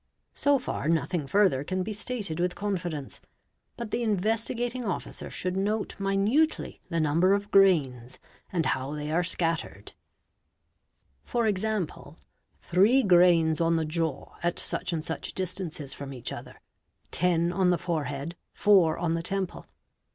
| So far nothing further can be stated with confidence, but the Investi gating Officer should note minutely the number of grains and how they ~ are scattered; e.g., three grains on the jaw at such and such distances — from each other, ten on the forehead, four on the temple.